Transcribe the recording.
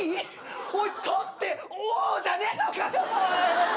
おい「ト」ってＯじゃねえのかよ！